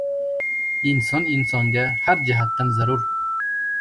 Inson insonga har jihatdan zarur.